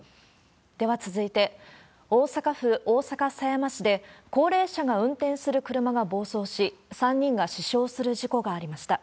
では続いて、大阪府大阪狭山市で、高齢者が運転する車が暴走し、３人が死傷する事故がありました。